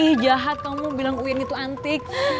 ih jahat kamu bilang uin itu antik